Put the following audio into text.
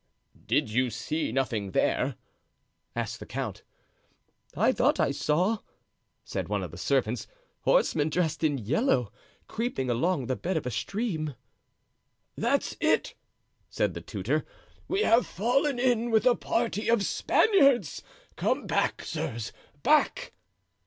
"Did you see nothing there?" asked the count. "I thought I saw," said one of the servants, "horsemen dressed in yellow, creeping along the bed of the stream. "That's it," said the tutor. "We have fallen in with a party of Spaniards. Come back, sirs, back."